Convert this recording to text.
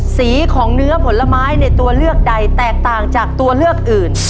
สีของเนื้อผลไม้ในตัวเลือกใดแตกต่างจากตัวเลือกอื่น